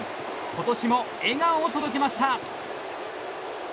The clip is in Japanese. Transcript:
今年も笑顔を届けました。